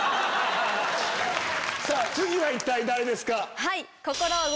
次は一体誰ですか？